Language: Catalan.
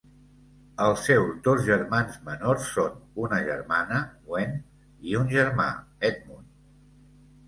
Els seus dos germans menors són una germana, Gwen, i un germà, Edmund.